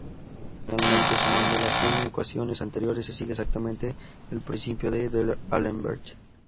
Finalmente sumando las "N" ecuaciones anteriores se sigue exactamente el principio de D'Alembert.